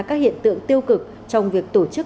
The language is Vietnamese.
các hiện tượng tiêu cực trong việc tổ chức